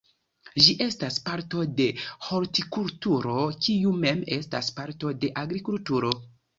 Ĝi estas parto de hortikulturo, kiu mem estas parto de agrikulturo.